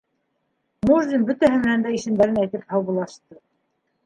Мурзин бөтәһе менән дә исемдәрен әйтеп һаубуллашты.